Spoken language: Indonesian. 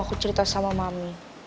aku cerita sama mami